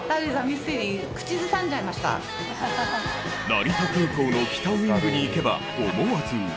成田空港の北ウイングに行けば思わず歌ってしまうほど。